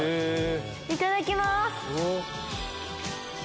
いただきます。